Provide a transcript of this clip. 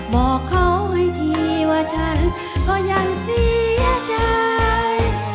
บอกเขาให้ทีว่าฉันก็ยังเสียใจ